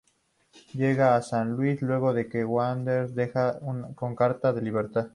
Llega a San Luis, luego de que Wanderers lo dejara con carta de libertad.